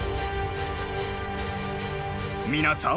皆さん